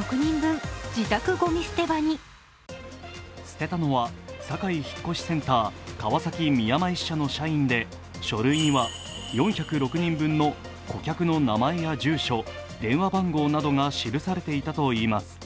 捨てたのはサカイ引越センター川崎宮前支社の社員で書類には４０６人分の顧客の名前や住所電話番号などが記されていたといいます。